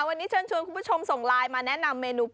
วันนี้เชิญชวนคุณผู้ชมส่งไลน์มาแนะนำเมนู